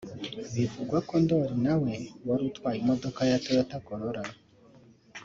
Bivugwa ko Ndoli na we wari utwaye imodoka ya Toyota Corolla